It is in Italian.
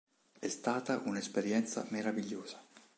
È stata un'esperienza meravigliosa.